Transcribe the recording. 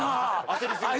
焦り過ぎて。